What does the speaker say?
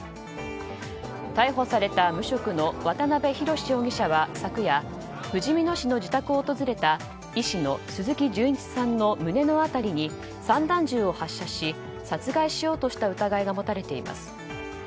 逮捕された無職の渡辺宏容疑者は昨夜、ふじみ野市の自宅を訪れた医師の鈴木純一さんの胸の辺りに散弾銃を発射し殺害しようとした疑いが持たれています。